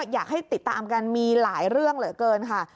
อยากให้ติดตามกันมีหลายเรื่องเหลือเกินค่ะ